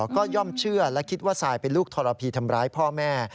ก็ย่อมเชื่อและคิดว่าทรายเป็นลูกทรพีทำร้ายพ่อแม่